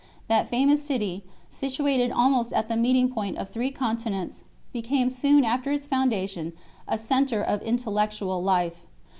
That famous city, situated almost at the meeting point of three continents, became soon after its foundation a centre of intellectual life.